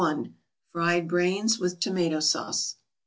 =Fried Brains with Tomato Sauce.